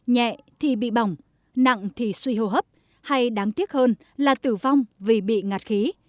nhẹ thì bị bỏng nặng thì suy hô hấp hay đáng tiếc hơn là tử vong vì bị ngạt khí